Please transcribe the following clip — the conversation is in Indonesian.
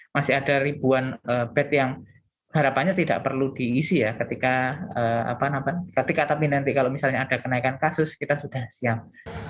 masih ada ribuan bed yang harapannya tidak perlu diisi ya ketika tapi nanti kalau misalnya ada kenaikan kasus kita sudah siap